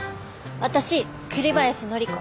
私栗林忠子。